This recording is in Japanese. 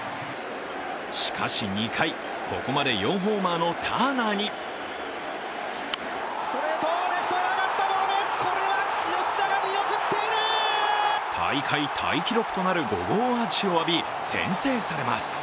しかし２回、ここまで４ホーマーのターナーに大会タイ記録となる５号アーチを浴び、先制されます。